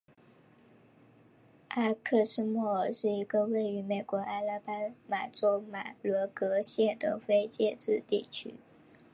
埃克斯莫尔是一个位于美国阿拉巴马州马伦戈县的非建制地区。